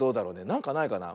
なんかないかな。